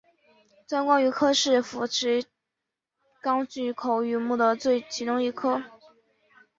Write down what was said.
钻光鱼科是辐鳍鱼纲巨口鱼目的其中一科。